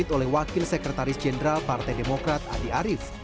oleh wakil sekretaris jenderal partai demokrat andi arief